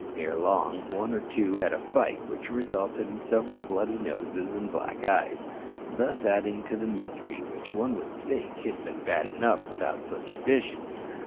Ere long one or two had a fight, which resulted in several bloody noses and black eyes, thus adding to the misery which, one would think, had been bad enough without such additions.